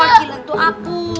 yang jadi perwakilan tuh aku